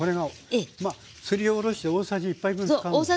すりおろして大さじ１杯分使うんですね。